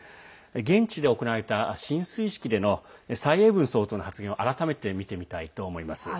現地で行われた進水式での蔡英文総統の発言を改めて見てみたいと思います。